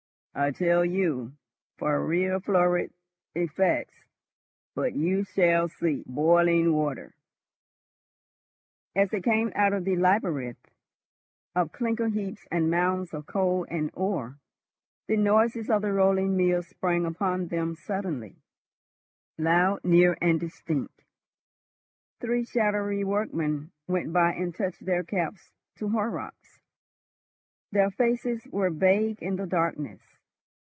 I tell you, for real florid effects—But you shall see. Boiling water ..." As they came out of the labyrinth of clinker heaps and mounds of coal and ore, the noises of the rolling mill sprang upon them suddenly, loud, near, and distinct. Three shadowy workmen went by and touched their caps to Horrocks. Their faces were vague in the darkness.